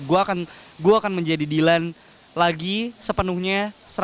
gue akan menjadi dilan lagi sepenuhnya